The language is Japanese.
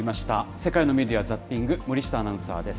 世界のメディア・ザッピング、森下アナウンサーです。